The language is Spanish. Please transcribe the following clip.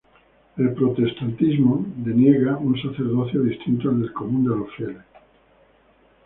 El protestantismo deniega un sacerdocio distinto al del común de los fieles.